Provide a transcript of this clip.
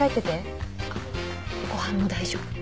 あっご飯も大丈夫。